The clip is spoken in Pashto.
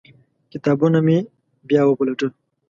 کتاب مې بیا وپلټه.